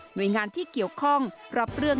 โดยงานที่เกี่ยวข้องรับเรื่อง